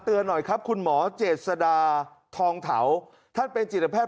หน่อยครับคุณหมอเจษดาทองเถาท่านเป็นจิตแพท